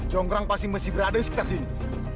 congkrang pasti masih berada di sekitar sini